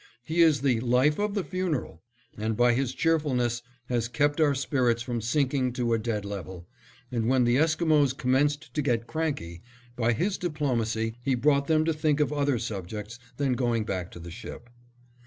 He is the "life of the funeral" and by his cheerfulness has kept our spirits from sinking to a dead level, and when the Esquimos commenced to get cranky, by his diplomacy he brought them to think of other subjects than going back to the ship.